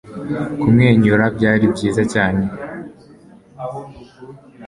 kumwenyura byari byiza cyane